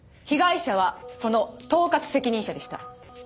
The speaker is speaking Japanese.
被害者はその統括責任者でした。